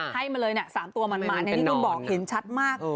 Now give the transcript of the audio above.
ให้มาเลย๓ตัวมันอย่างที่คุณบอกเห็นชัดมาก